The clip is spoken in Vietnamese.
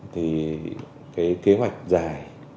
thì cái kế hoạch dài